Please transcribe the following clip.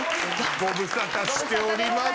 ご無沙汰しております